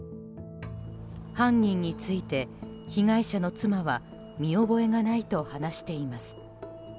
犯人について被害者の妻は見覚えがないと話しています。